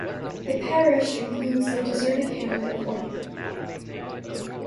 This parish includes the deserted hamlet of Orthorpe.